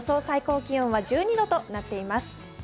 最高気温は１２度となっています。